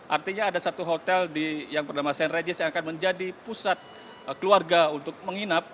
artinya ada satu hotel yang bernama st regis yang akan menjadi pusat keluarga untuk menginap